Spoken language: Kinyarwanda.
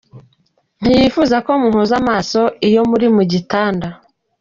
Ntiyifuza ko muhuza amaso iyo muri mu gitanda.